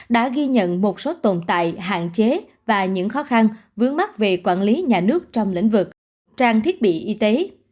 đã ghi nhận một số tồn tại hạn chế và những khó khăn vướng mắt về quản lý nhà nước trong lĩnh vực trang thiết bị y tế